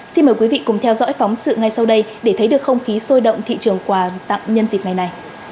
xin mời quý vị cùng theo dõi phóng sự ngay sau đây để thấy được không khí sôi động thị trường quà